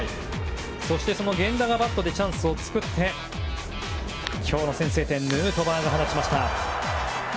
そしてその源田がバットでチャンスを作って今日の先制点ヌートバーが放ちました。